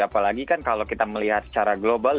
apalagi kan kalau kita melihat secara global